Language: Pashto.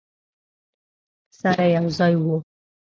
سره یو ځای وو.